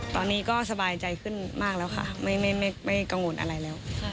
ตอนนี้ก็สบายใจขึ้นมากแล้วค่ะไม่กังวลอะไรแล้ว